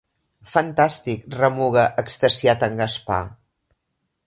Fantàstic —remuga extasiat en Gaspar.